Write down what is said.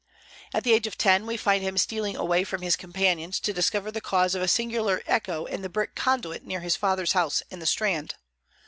At the age of ten we find him stealing away from his companions to discover the cause of a singular echo in the brick conduit near his father's house in the Strand.